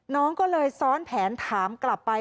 น้องก็เลยซ้อนแผนถามกลับไป